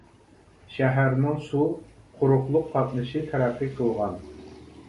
شەھەرنىڭ سۇ، قۇرۇقلۇق قاتنىشى تەرەققىي قىلغان.